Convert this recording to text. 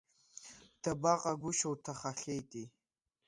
Дабаҟагәышьоу, дҭахахьеитеи!